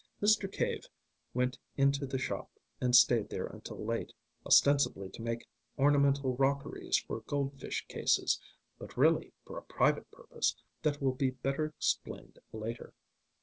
Mr. Cave went into the shop, and stayed there until late, ostensibly to make ornamental rockeries for goldfish cases but really for a private purpose that will be better explained later.